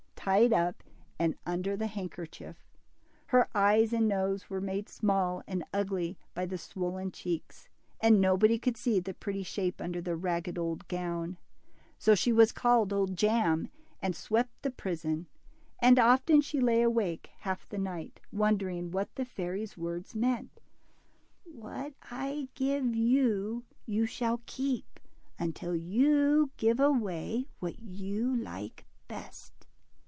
55 tied up and under the handkerchief; her eyes and nose were made small and ugly by the swollen cheeks, and nobody could see the pretty shape under the ragged old gown. So she was called Old Jam, and swept the prison. And often she lay awake half the night, wondering what the fairy's words meant : What I give you, you shall keep, until you give away what you like best.''